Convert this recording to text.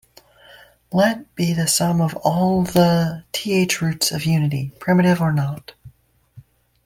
Let be the sum of all the th roots of unity, primitive or not.